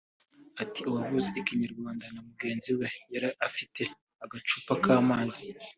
Ati “Uwavuze Ikinyarwanda na mugenzi we yari afite agacupa k’amazi